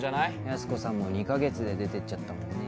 やす子さんも二カ月で出てっちゃったもんね